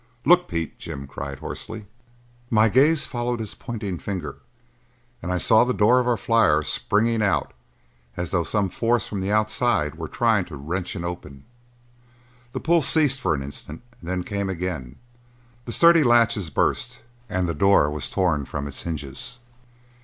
"Look, Pete!" Jim cried hoarsely. My gaze followed his pointing finger and I saw the door of our flyer springing out as though some force from the outside were trying to wrench it open. The pull ceased for an instant, then came again; the sturdy latches burst and the door was torn from its hinges.